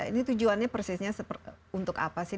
ini tujuannya persisnya untuk apa sih